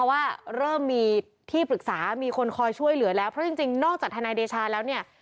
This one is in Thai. คันนี้ไวเหรอพนักงานจำแล้วแหละ